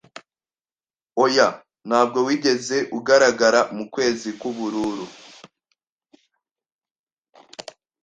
Oya, ntabwo wigeze ugaragara mukwezi k'ubururu